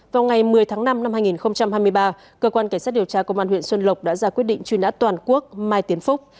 vào ngày một mươi tháng năm năm hai nghìn hai mươi ba cơ quan cảnh sát điều tra công an huyện xuân lộc đã ra quyết định truy nã toàn quốc mai tiến phúc